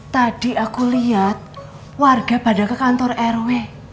tadi aku lihat warga pada ke kantor rw